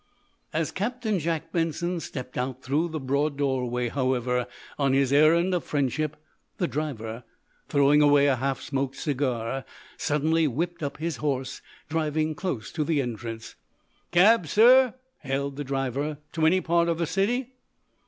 As Captain Jack Benson stepped out through the broad doorway, however, on his errand of friendship, the driver, throwing away a half smoked cigar, suddenly whipped up his horse, driving close to the entrance. "Cab, sir" hailed the driver. "To any part of the city."